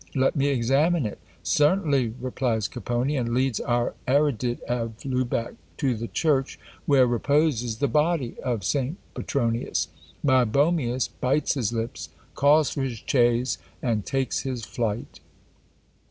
Let me examine it!" "Certainly," replies Capponi, and leads our erudit of Lubeck to the church where reposes the body of St. Petronius. Meibomius bites his lips, calls for his chaise, and takes his flight.